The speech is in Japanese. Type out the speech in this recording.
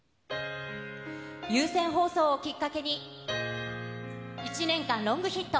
有線放送をきっかけに、１年間、ロングヒット。